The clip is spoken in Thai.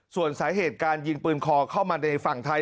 ส่วนสาเหตุการยิงปืนคอเข้ามาในฝั่งไทย